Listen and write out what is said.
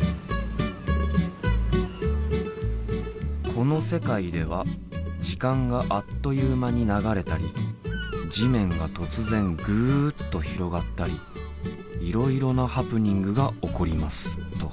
「この世界では時間があっという間に流れたり地面が突然ぐっと広がったりいろいろなハプニングが起こります」と。